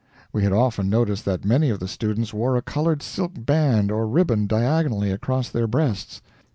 We had often noticed that many of the students wore a colored silk band or ribbon diagonally across their breasts.